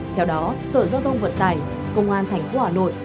theo đó sở giao thông vận tải công an thành phố hà nội